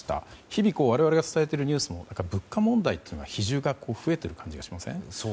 日々、我々が伝えているニュースも物価問題の比重が増えている感じがしません？